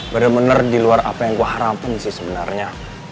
bener bener di luar apa yang ku harapin sih sebenarnya